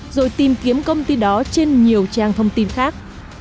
rồi tìm kiếm công ty đó trên nhiều trang thông tin khác